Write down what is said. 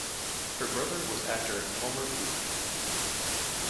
Her brother was actor Elmer Booth.